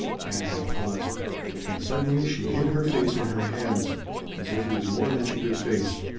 Ann had paused. And suddenly she hid her face in her hands, as if it was more than she could face.